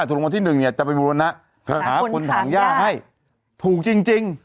ถูกกับนักวัลที่หนึ่งเนี้ยจะไปบุรณะหาคนถางย่างให้ถูกจริงจริง